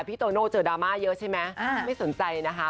โตโน่เจอดราม่าเยอะใช่ไหมไม่สนใจนะคะ